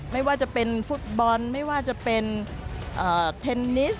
ไม่ว่าจะเป็นฟุตบอลไม่ว่าจะเป็นเทนนิส